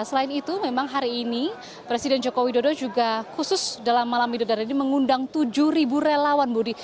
selain itu memang hari ini presiden joko widodo juga khusus dalam malam midodara ini mengundang tujuh relawan budi